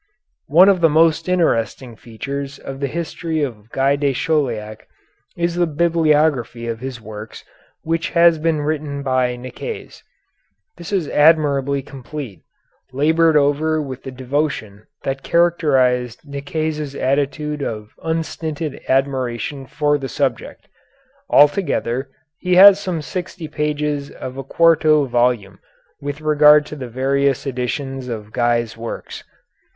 One of the most interesting features of the history of Guy de Chauliac is the bibliography of his works which has been written by Nicaise. This is admirably complete, labored over with the devotion that characterized Nicaise's attitude of unstinted admiration for the subject. Altogether he has some sixty pages of a quarto volume with regard to the various editions of Guy's works.